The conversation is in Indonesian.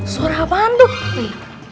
suara apaan tuh